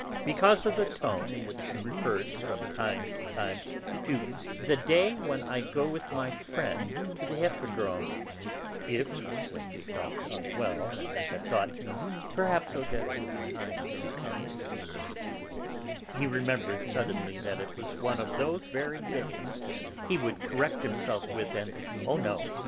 Because of the tone in which she referred, from time to time, to "the day when I go with my friend to the Hippodrome," if, when he felt unwell and had thought, "Perhaps Odette would be kind and come to see me," he remembered, suddenly, that it was one of those very days, he would correct himself with an "Oh, no!